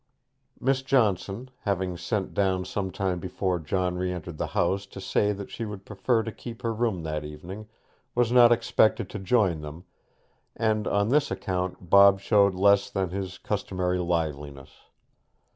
Miss Johnson, having sent down some time before John re entered the house to say that she would prefer to keep her room that evening, was not expected to join them, and on this account Bob showed less than his customary liveliness.